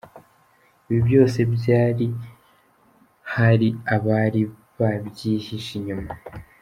Ibi byose byari hari abari babyihishe inyuma.